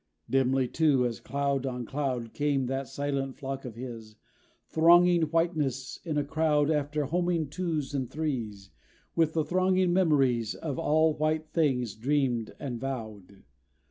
Dimly too, as cloud on cloud, Came that silent flock of his: Thronging whiteness, in a crowd, After homing twos and threes; With the thronging memories Of all white things dreamed and vowed.